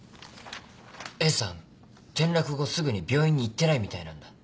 Ａさん転落後すぐに病院に行ってないみたいなんだ。